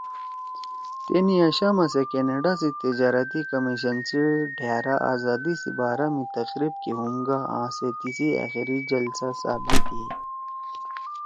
تے نیاشاما سے کینیڈا سی تجارتی کمیشن سی ڈھأرا آزادی سی بارا می تقریب کے ہُم گا آں سے تیِسی آخری جلسہ ثابِت ہی